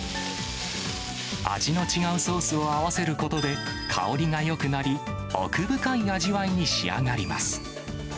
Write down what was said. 味の違うソースを合わせることで、香りがよくなり、奥深い味わいに仕上がります。